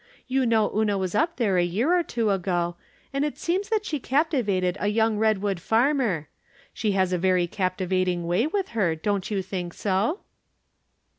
You know Una was up there a year or two ago, and it seems that she captivated a young Redwood farmer. She has a very captivating way with her ; don't you think so